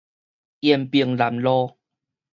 延平南路